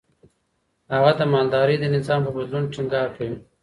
هغه د مالدارۍ د نظام په بدلون ټينګار کوي.